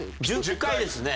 １０回ですね。